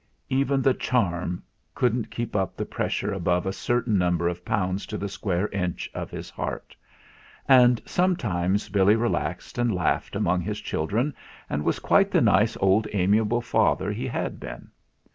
Even the charm couldn't keep up the pressure above a certain number of pounds to the square inch of his heart; and sometimes Billy relaxed and laughed among his children, and was quite the nice old amiable father he had been.